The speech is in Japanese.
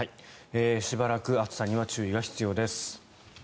しばらく暑さには注意が必要です。